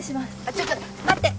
ちょっと待って